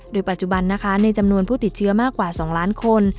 โดยปัจจุบันนะคะในจำนวนผู้ติดเชื้อมากกว่า๒ล้านคน